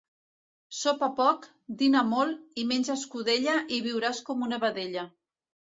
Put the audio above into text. Sopa poc, dina molt i menja escudella i viuràs com una vedella.